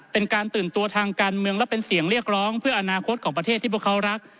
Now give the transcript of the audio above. เป็นการตื่นตัวทางการเมืองและเป็นเสียงเรียกร้องเพื่ออนาคตของประเทศที่พวกเขารัก